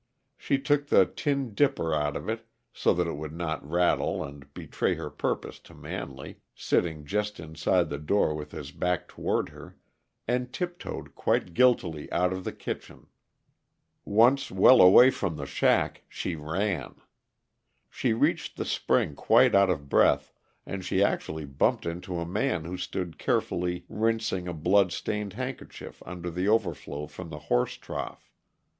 She took the tin dipper out of it, so that it would not rattle and betray her purpose to Manley, sitting just inside the door with his back toward her, and tiptoed quite guiltily out of the kitchen. Once well away from the shack, she ran. She reached the spring quite out of breath, and she actually bumped into a man who stood carefully rinsing a bloodstained handkerchief under the overflow from the horse trough.